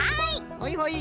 はいはい。